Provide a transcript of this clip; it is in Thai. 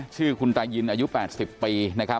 ชื่อคุณตายินอายุ๘๐ปี